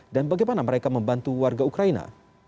dan bagaimana mereka membantu warga ukraina